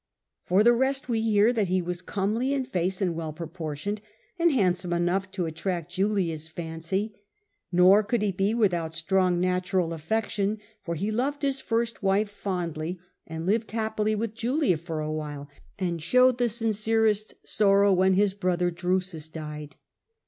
For the rest we hear that he was comely in face and well proportioned, and handsome enough to attract Julia's fancy ; nor could he be without strong natural affection, for he loved his first wife fondly, and lived happily with Julia for awhile, and showed the sincerest sorrow when his brother Drusus died.